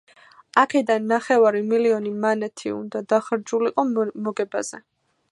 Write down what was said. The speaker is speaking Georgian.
აქედან ნახევარი მილიონი მანათი უნდა დახარჯულიყო მოგებაზე.